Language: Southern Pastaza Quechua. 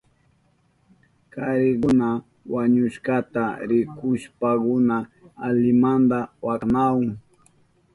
Karikuna wañushkata rikushpankuna alimanta wakanahun.